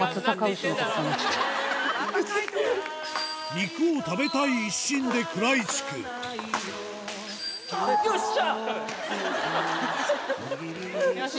肉を食べたい一心で食らいつくよっしゃ！